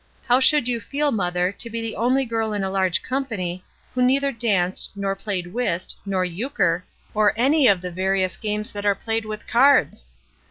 How should you feel, mother, to be the only girl in a large company, who neither danced nor played whist, or euchre, or any of the various games that are played with cards